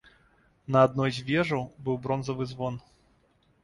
На адной з вежаў быў бронзавы звон.